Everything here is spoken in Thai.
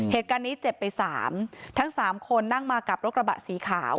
เหตุการณ์นี้เจ็บไปสามทั้งสามคนนั่งมากับรถกระบะสีขาว